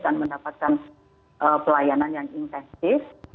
dan mendapatkan pelayanan yang intensif